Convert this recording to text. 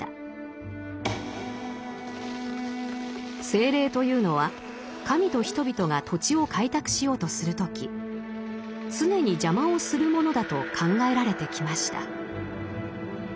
精霊というのは神と人々が土地を開拓しようとする時常に邪魔をするものだと考えられてきました。